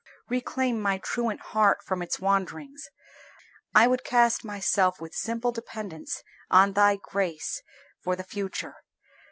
Reclaim my truant heart from its wanderings. I would cast myself with simple dependence on Thy grace for the future.